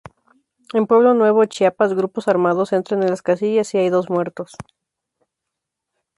En Pueblo Nuevo, Chiapas, grupos armados entran en las casillas y hay dos muertos.